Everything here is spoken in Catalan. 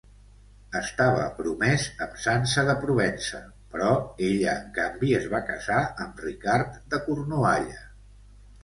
Estava promès amb Sança de Provença, però ella, en canvi, es va casar amb Ricard de Cornualla.